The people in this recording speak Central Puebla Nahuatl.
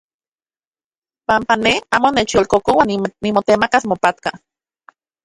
Panpa ne amo nechyolkokoa nimotemakas mopatka.